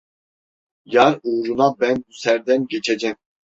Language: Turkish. Yâr uğruna ben bu serden geçecem.